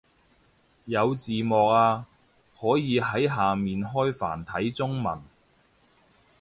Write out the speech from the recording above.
有字幕啊，可以喺下面開繁體中文